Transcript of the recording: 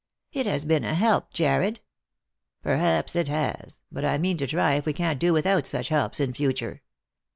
" It has been a help, Jarred." " Perhaps it has, but I mean to try if we can't do without such helps in future.